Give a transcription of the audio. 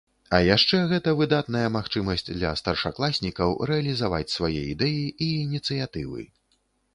А яшчэ гэта выдатная магчымасць для старшакласнікаў рэалізаваць свае ідэі і ініцыятывы.